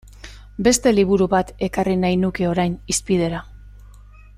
Beste liburu bat ekarri nahi nuke orain hizpidera.